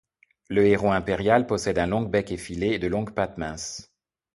Le Héron impérial possède un long bec effilé et de longues pattes minces.